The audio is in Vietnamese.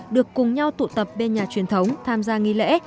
được cùng nhau tụ tập bên nhà truyền thống tham gia nghi lễ